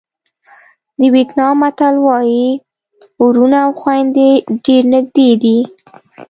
د وېتنام متل وایي وروڼه او خویندې ډېر نږدې دي.